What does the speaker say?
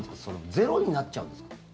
ゼロになっちゃうんですか？